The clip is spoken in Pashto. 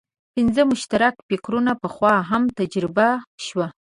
پنځه مشترک فکټورونه پخوا هم تجربه شوي.